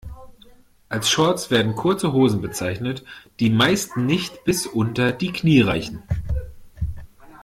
Als Shorts werden kurze Hosen bezeichnet, die meist nicht bis unter die Knie reichen.